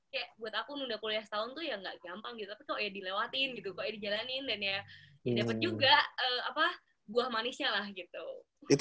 kayak buat aku udah kuliah setahun tuh ya gak gampang gitu tapi kok ya dilewatin gitu kok ya dijalanin dan ya dapet juga buah manisnya lah gitu